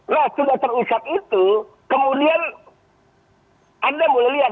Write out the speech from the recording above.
nah sudah terucap itu kemudian anda boleh lihat